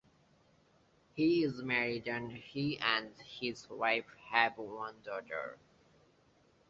He is married and he and his wife have one daughter.